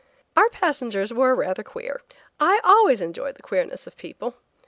Our passengers were rather queer. I always enjoy the queerness of people.